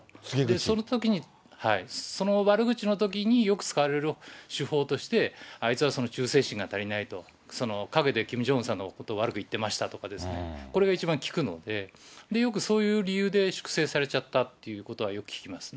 そのときに、その悪口のときに、よく使われる手法として、あいつは忠誠心が足りないと、陰でキム・ジョンウンさんのことを悪く言ってましたとか、これが一番効くので、よく、そういう理由で粛清されちゃったということはよく聞きますね。